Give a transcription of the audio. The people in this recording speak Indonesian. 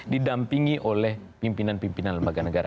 didampingi oleh pimpinan pimpinan lembaga negara